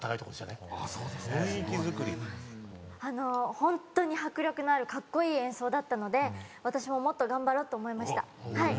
ホントに迫力のあるカッコイイ演奏だったので私ももっと頑張ろうと思いました。